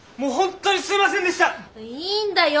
いいんだよ